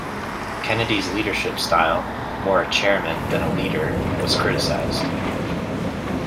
Kennedy's leadership style - more a chairman than a leader - was criticised.